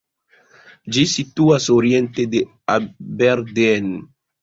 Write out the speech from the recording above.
Ĝi situas oriente de Aberdeen.